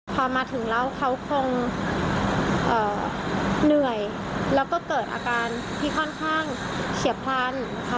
พอมาถึงแล้วเขาคงเหนื่อยแล้วก็เกิดอาการที่ค่อนข้างเฉียบพลันค่ะ